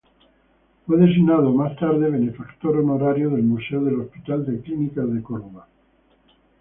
Fue designado, más tarde, Benefactor Honorario del Museo del Hospital de Clínicas de Córdoba.